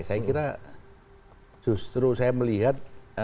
saya kira justru saya melihat